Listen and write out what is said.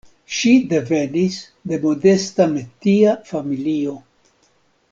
Ŝi devenis de modesta metia familio.